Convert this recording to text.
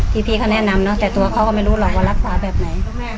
พี่เขาแนะนำเนอะแต่ตัวเขาก็ไม่รู้หรอกว่ารักษาแบบไหน